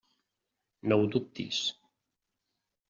No ho dubtis.